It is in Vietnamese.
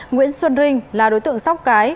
nguyễn xuân rinh là đối tượng sóc cái